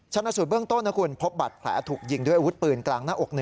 ชนะสูตรเบื้องต้นนะคุณพบบัตรแผลถูกยิงด้วยอาวุธปืนกลางหน้าอก๑